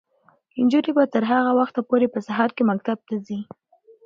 نجونې به تر هغه وخته پورې په سهار کې مکتب ته ځي.